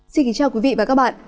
xin kính chào quý vị và các bạn